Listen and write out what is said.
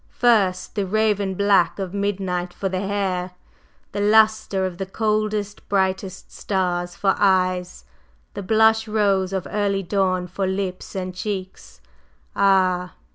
First, the raven black of midnight for the hair, the lustre of the coldest, brightest stars for eyes, the blush rose of early dawn for lips and cheeks. Ah!